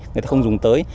người ta không dùng tới